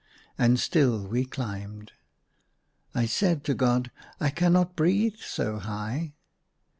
And still we climbed. I said to God, " I cannot breathe so high."